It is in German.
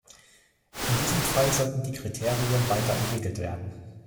In diesem Fall sollten die Kriterien weiter entwickelt werden.